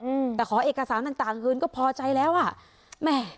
อืมแต่ขอเอกสารต่างต่างคืนก็พอใจแล้วอ่ะแม่